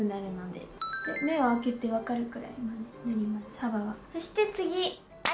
そして次。